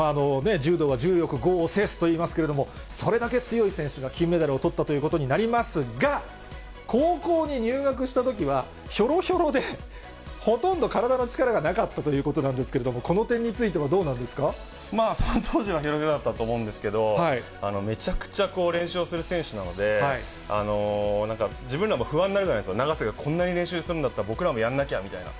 柔道は、柔よく剛を制すといいますけれども、それだけ強い選手が金メダルをとったということになりますが、高校に入学したときは、ひょろひょろで、ほとんど体の力がなかったということなんですけれども、まあ、その当時はひょろひょろだったと思うんですけど、めちゃくちゃ練習をする選手なので、なんか、自分らも不安なぐらいなんですよ、永瀬がこんなに練習するんだったら、僕らもやんなきゃみたいな。